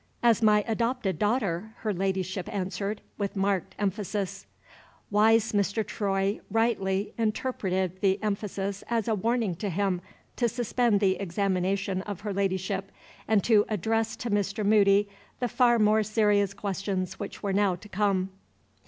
"As my adopted daughter," her Ladyship answered, with marked emphasis. Wise Mr. Troy rightly interpreted the emphasis as a warning to him to suspend the examination of her Ladyship, and to address to Mr. Moody the far more serious questions which were now to come.